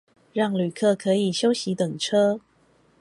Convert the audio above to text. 讓旅客可以休息等車